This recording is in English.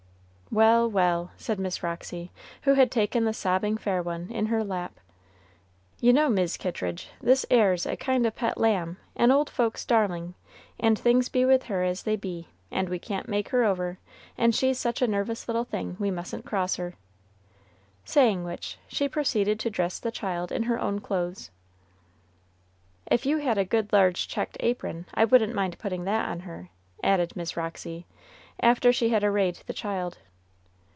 "Well, well!" said Miss Roxy, who had taken the sobbing fair one in her lap, "you know, Mis' Kittridge, this 'ere's a kind o' pet lamb, an old folks' darling, and things be with her as they be, and we can't make her over, and she's such a nervous little thing we mustn't cross her." Saying which, she proceeded to dress the child in her own clothes. "If you had a good large checked apron, I wouldn't mind putting that on her!" added Miss Roxy, after she had arrayed the child.